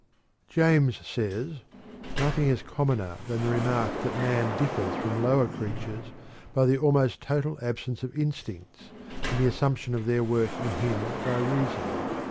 James says: "Nothing is commoner than the remark that man differs from lower creatures by the almost total absence of instincts, and the assumption of their work in him by reason.